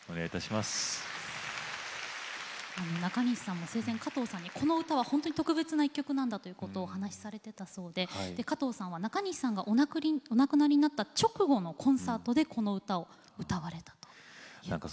なかにしさん、生前加藤さんにこの歌は本当に特別な１曲なんだとお話しされていたそうで加藤さんは、なかにしさんがお亡くなりになった直後のコンサートでこの歌を歌われたということです。